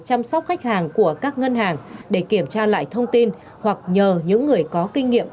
chăm sóc khách hàng của các ngân hàng để kiểm tra lại thông tin hoặc nhờ những người có kinh nghiệm